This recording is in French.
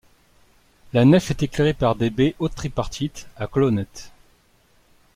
La nef est éclairée par des baies hautes tripartites, à colonnettes.